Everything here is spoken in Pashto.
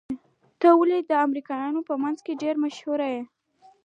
ته ولې د امريکايانو په منځ کې ډېر مشهور يې؟